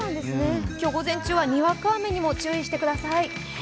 今日午前中はにわか雨にも注意してください。